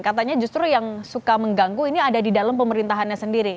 katanya justru yang suka mengganggu ini ada di dalam pemerintahannya sendiri